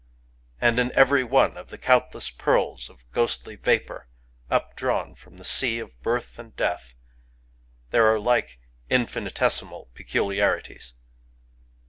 And in every one of the countlessjpearls of ghostly vaj)our updrawn from the S^a of Birth and Deatk there are like infinitesi mal peculiarities.